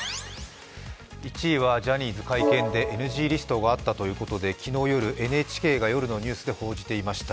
１位はジャニーズ会見でＮＧリストがあったということで昨日夜、ＮＨＫが夜のニュースで報じていました。